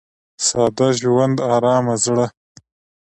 • ساده ژوند، ارامه زړه.